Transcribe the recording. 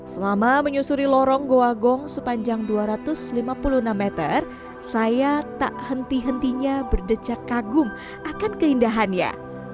selama menyusuri lorong goa gong sepanjang dua ratus lima puluh enam meter saya tak henti hentinya berdecak kagum akan keindahannya